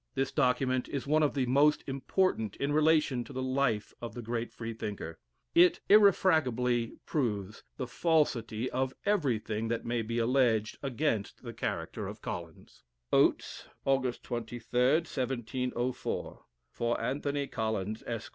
This document is one of the most important in relation to the life of the great Freethinker it irrefragably proves the falsity of everything that may be alleged against the character of Collins: "Oates, August 23, 1704. For Anthony Collins, Esq.